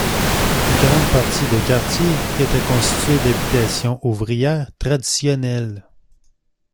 Une grande partie de quartier étaient constituée d'habitations ouvrières traditionnelles.